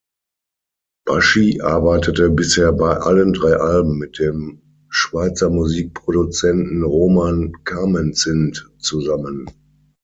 Baschi arbeitete bisher bei allen drei Alben mit dem Schweizer Musikproduzenten Roman Camenzind zusammen.